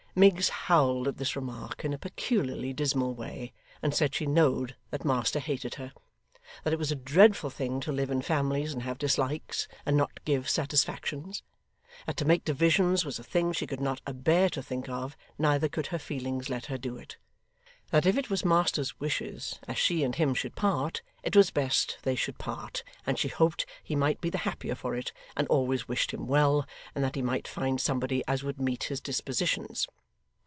Miggs howled at this remark, in a peculiarly dismal way, and said she knowed that master hated her. That it was a dreadful thing to live in families and have dislikes, and not give satisfactions. That to make divisions was a thing she could not abear to think of, neither could her feelings let her do it. That if it was master's wishes as she and him should part, it was best they should part, and she hoped he might be the happier for it, and always wished him well, and that he might find somebody as would meet his dispositions.